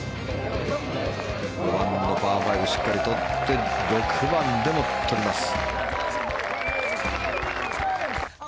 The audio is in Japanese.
５番のパー５、しっかりとって６番でもとります。